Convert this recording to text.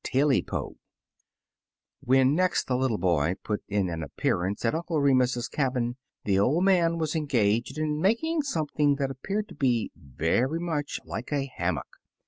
TAILY PO WHEN next the little boy put in an appearance at Uncle Re mus's cabin, the old man was engaged in making something that ap peared to be very much like a hammock.